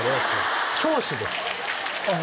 教師です。